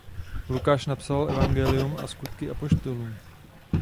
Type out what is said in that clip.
Lukáš napsal evangelium a Skutky apoštolů.